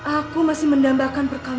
aku masih mendambakan perkawinanmu